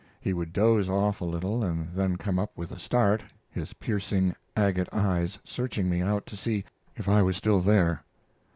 He would doze off a little and then come up with a start, his piercing, agate eyes searching me out to see if I was still there.